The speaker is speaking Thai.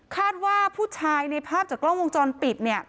คาดว่าผู้ชายในภาพจากกล้องวงจรปิดเนี่ย